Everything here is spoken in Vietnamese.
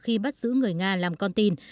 khi bắt giữ người nga làm con tin